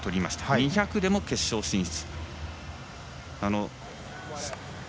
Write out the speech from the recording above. ２００でも決勝進出。